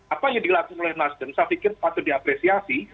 apanya dilakukan oleh nasdem saya pikir patut diapresiasi